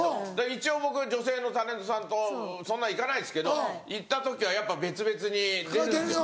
一応僕女性のタレントさんとそんな行かないですけど行った時はやっぱ別々に出るんですよ。